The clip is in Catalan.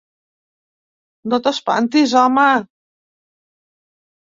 No t'espantis, home!